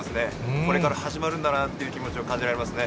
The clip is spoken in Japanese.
これから始まるんだなという気持ちが感じられますね。